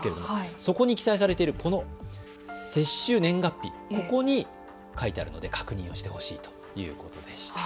そこに記載されているこの接種年月日、ここに書いてあるので確認してほしいということでした。